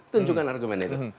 tunjukkan argumen itu